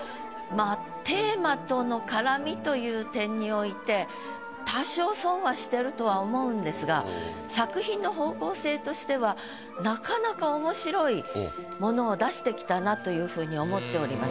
まぁテーマとの絡みという点において多少損はしてるとは思うんですが作品の方向性としてはなかなか。というふうに思っております。